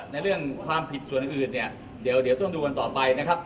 ในเรื่องความผิดส่วนอื่นเนี่ยเดี๋ยวต้องดูกันต่อไปนะครับ